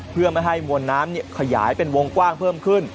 เพื่อไม่ให้มวลน้ำขยายเป็นวงกว้างเพิ่มขึ้น